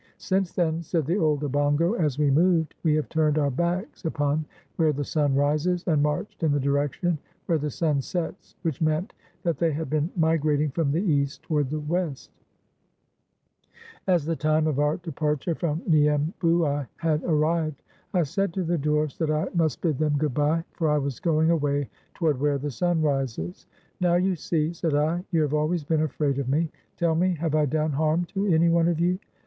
Since then," said the old Obongo, "as we moved, we have turned our backs upon where the sun rises, and marched in the direction where the sun sets [which meant that they had been migrating from the east toward the west]. ..." As the time of our departure from Niembouai had arrived, I said to the dwarfs that I must bid them good bye, for I was going away toward where the sun rises. "Now, you see," said I, "you have always heen afraid of me. Tell me, have I done harm to any one of you?